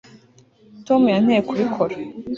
tom yanteye kubikora